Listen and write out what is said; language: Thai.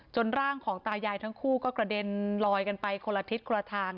ร่างของตายายทั้งคู่ก็กระเด็นลอยกันไปคนละทิศคนละทาง